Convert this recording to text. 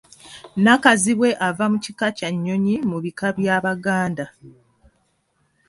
Nakazibwe ava mu kika kya nnyonyi mu bika by'Abaganda.